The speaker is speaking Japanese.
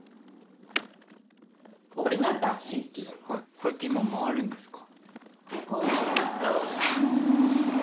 これって今回るんですか？